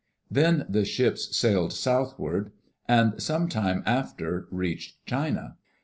Then the ships sailed southward and some time after reached China.